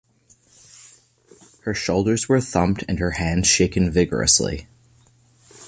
Her shoulders were thumped and her hands shaken vigorously.